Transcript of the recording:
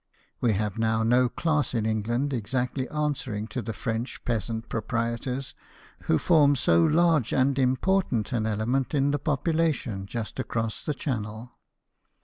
We have now no class in n 6 BIOGRAPHIES OF WORKING MEN. England exactly answering to the French peasant proprietors, who form so large and important an element in the population just across the Channel.